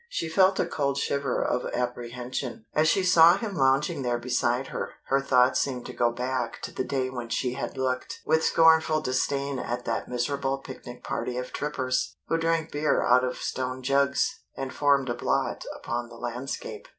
She felt a cold shiver of apprehension. As she saw him lounging there beside her, her thoughts seemed to go back to the day when she had looked with scornful disdain at that miserable picnic party of trippers, who drank beer out of stone jugs, and formed a blot upon the landscape.